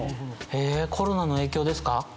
コロナの影響ですか？